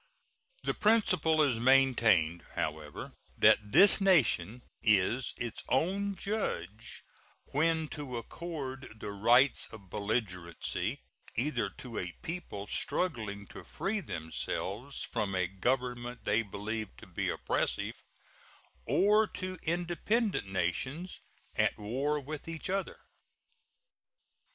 The principle is maintained, however, that this nation is its own judge when to accord the rights of belligerency, either to a people struggling to free themselves from a government they believe to be oppressive or to independent nations at war with each other.